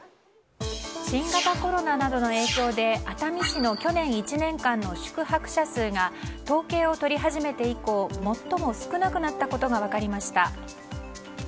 新型コロナなどの影響で熱海市の去年１年間の宿泊者数が統計を取り始めて以降最も少なくなったことが分かりました。